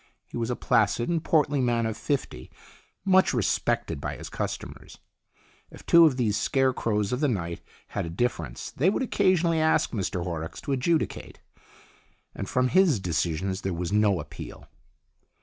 He was a placid and portly man of fifty, much respected by his customers. If two of these scarecrows of the night had a difference, they would occasionally ask Mr Horrocks to adjudicate, and from his decisions there was no appeal.